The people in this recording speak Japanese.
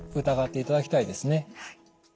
疑っていただきたいですね。